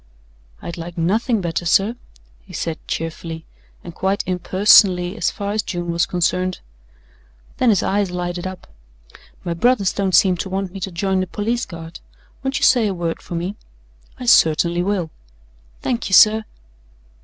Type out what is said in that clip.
"I'd like nothing better, sir," he said cheerfully, and quite impersonally as far as June was concerned. Then his eyes lighted up. "My brothers don't seem to want me to join the Police Guard. Won't you say a word for me?" "I certainly will." "Thank you, sir."